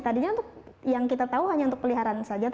tadinya untuk yang kita tahu hanya untuk peliharaan saja